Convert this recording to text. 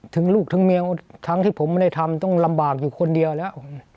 ถึงลูกถึงเมียทั้งที่ผมไม่ได้ทำต้องลำบากอยู่คนเดียวแล้ว